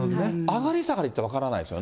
上がり下がりって分からないです